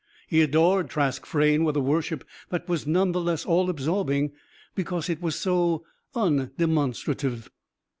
He adored Trask Frayne with a worship that was none the less all absorbing because it was so undemonstrative.